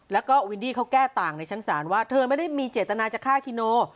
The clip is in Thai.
แล้วก็วินดี้เขาแก้ต่างในชั้นศาลว่าเธอไม่ได้มีเจตนาจะฆ่าคิโน